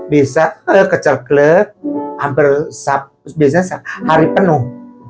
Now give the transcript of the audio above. bisa teriak sampai hari penuh